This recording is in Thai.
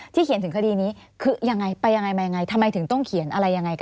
เขียนถึงคดีนี้คือยังไงไปยังไงมายังไงทำไมถึงต้องเขียนอะไรยังไงกัน